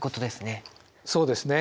そうですね。